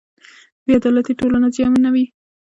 بې عدالتي ټولنه زیانمنوي.